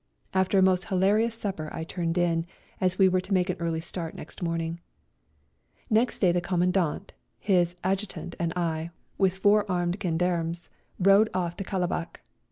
After a most hilarious supper I turned in, as we were to make an early start next morning. Next day the Commandant, his Adju tant and I, with four armed gendarmes, rode off to Kalabac.